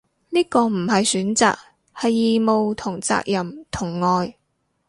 呢個唔係選擇，係義務同責任同愛